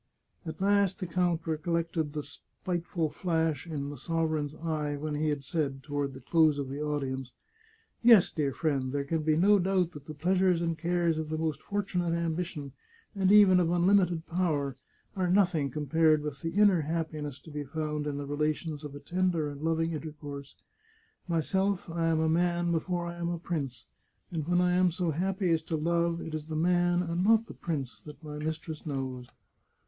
At last the count recollected the spiteful flash in the sover eign's eye when he had said, toward the close of the audience :" Yes, dear friend, there can be no doubt that the pleasures and cares of the most fortunate ambition, and even of un limited power, are nothing compared with the inner happi ness to be found in the relations of a tender and loving inter course. Myself, I am a man before I am a prince, and when I am so happy as to love, it is the man, and not the prince, that my mistress knows."